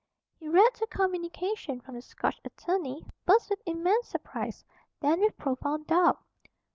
He read the communication from the Scotch attorney, first with immense surprise, then with profound doubt.